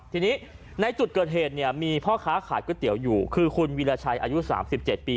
ทีนี้ในจุดเกิดเหตุเนี่ยมีพ่อค้าขายก๋วยเตี๋ยวอยู่คือคุณวีรชัยอายุ๓๗ปี